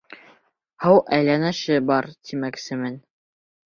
Һыу әйләнеше бар, тимәксемен.